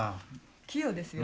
器用ですよね。